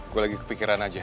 gua lagi kepikiran aja